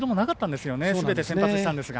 すべて先発したんですが。